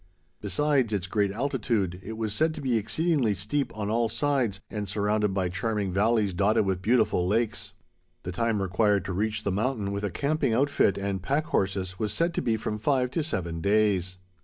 Besides its great altitude, it was said to be exceedingly steep on all sides, and surrounded by charming valleys dotted with beautiful lakes. The time required to reach the mountain with a camping outfit and pack horses was said to be from five to seven days.